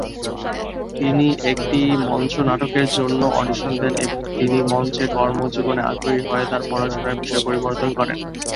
তিনি একটি মঞ্চনাটকের জন্য অডিশন দেন এবং তিনি মঞ্চে কর্মজীবনে আগ্রহী হয়ে তার পড়াশোনার বিষয় পরিবর্তন করেন।